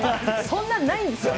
そんなんないんですよ。